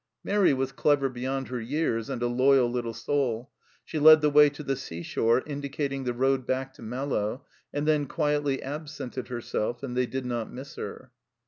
Mairi was clever beyond her years, and a loyal little soul ; she led the way to the sea shore, indicating the road back to Malo, and then quietly absented herself, and they did not miss her